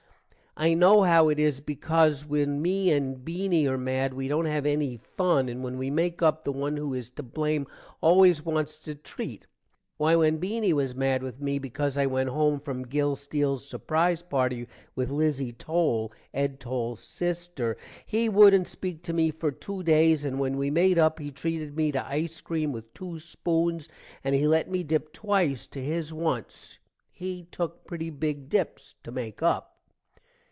i know how it is becaus when me and Beany are mad we dont have eny fun and when we make up the one who is to blam always wants to treet. why when Beany was mad with me becaus i went home from Gil Steels surprise party with Lizzie Towle, Ed Towles sister, he woodent speak to me for 2 days, and when we made up he treated me to ice cream with 2 spoons and he let me dip twice to his once. he took pretty big dips to make up.